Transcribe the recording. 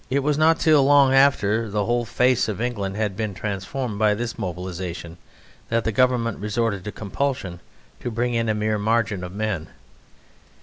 It was not till long after the whole face of England had been transformed by this mobilisation that the Government resorted to compulsion to bring in a mere margin of men.